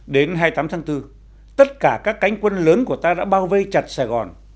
đến hai mươi tám tháng bốn tất cả các cánh quân lớn của ta đã bao vây chặt sài gòn